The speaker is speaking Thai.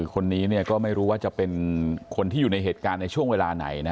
คนนี้ก็ไม่รู้ว่าจะเป็นคนที่อยู่ในเหตุการณ์ในช่วงเวลาไหน